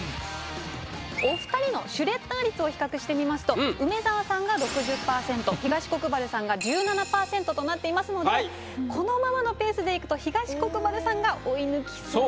お二人のシュレッダー率を比較してみますと梅沢さんが６０％東国原さんが１７％となっていますのでこのままのペースでいくと東国原さんが追い抜きそう。